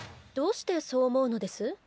どうしてそう思うのです？